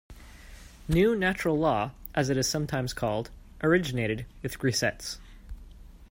"New Natural Law" as it is sometimes called, originated with Grisez.